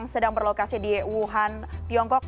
sedang berlokasi di wuhan tiongkok